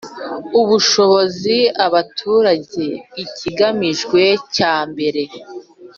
ubushobozi abaturage ikigamijwe cya mbere